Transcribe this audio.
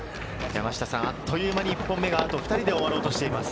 あっという間に１本目があと２人で終わろうとしています。